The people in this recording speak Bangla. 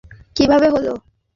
তুমি এতটা হাঁদারাম কীভাবে হলে?